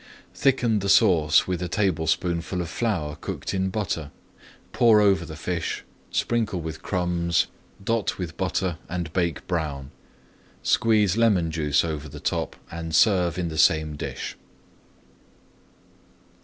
Thicken the sauce with a tablespoonful of flour cooked in butter, pour over the fish, sprinkle with crumbs, dot with butter, and bake brown. Squeeze lemon juice over the top and serve in the same dish.